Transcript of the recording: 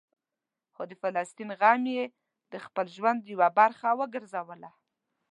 خو د فلسطین غم یې د خپل ژوند یوه برخه وګرځوله.